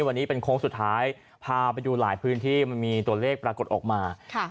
วันนี้เป็นโค้งสุดท้ายพาไปดูหลายพื้นที่มันมีตัวเลขปรากฏออกมา